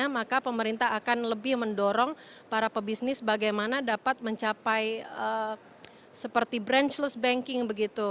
maka pemerintah akan lebih mendorong para pebisnis bagaimana dapat mencapai seperti branchless banking begitu